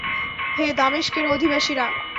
হে দামেস্কের অধিবাসীরা!